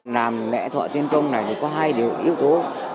làm lễ thượng tiên công này có hai điều yếu tố